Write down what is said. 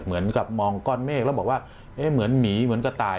เหมือนกับมองก้อนเมฆแล้วบอกว่าเหมือนหมีเหมือนกระต่าย